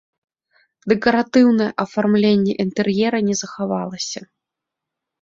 Дэкаратыўнае афармленне інтэр'ера не захавалася.